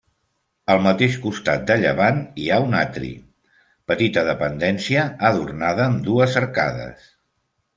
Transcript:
Al mateix costat de llevant hi ha un atri, petita dependència adornada amb dues arcades.